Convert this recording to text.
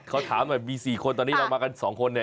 เขาถามว่ามี๔คนตอนนี้เรามากัน๒คน